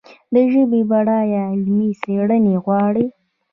د ژبې بډاینه علمي څېړنې غواړي.